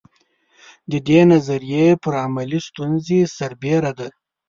د دې نظریې پر علمي ستونزې سربېره ده.